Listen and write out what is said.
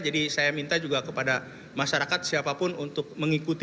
jadi saya minta juga kepada masyarakat siapapun untuk mengikuti